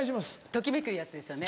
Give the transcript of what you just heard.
ときめくやつですよね。